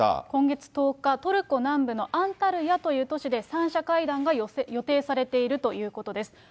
今月１０日、トルコ南部のアンタルヤという都市で３者会談が予定されているということです。